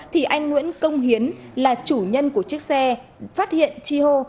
thì anh nguyễn công hiến là chủ nhân của chiếc xe phát hiện chi hô